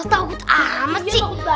takut amat sih